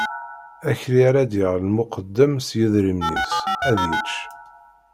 Akli ara d-yaɣ lmuqeddem s yedrimen-is, ad yečč.